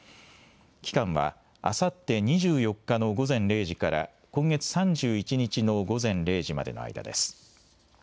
期間はあさって２４日の午前０時から今月３１日の午前０時までの間です。